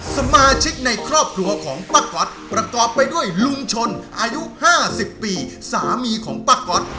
สมาชิกในครอบครัวของป้าก๊อตประกอบไปด้วยลุงชนอายุ๕๐ปีสามีของป้าก๊อต